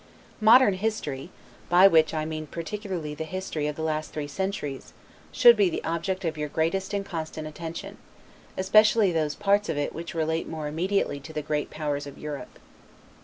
Modern history, by which I mean particularly the history of the last three centuries, should be the object of your greatest and constant attention, especially those parts of it which relate more immediately to the great powers of Europe.